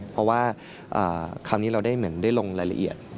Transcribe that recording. เพราะว่าคราวนี้เราได้ลงรายละเอียด